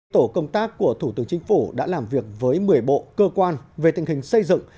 tổ công tác của thủ tướng chính phủ đã làm việc với một mươi bộ cơ quan về tình hình xây dựng